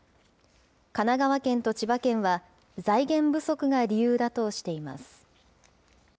神奈川県と千葉県は、財源不足が理由だとしています。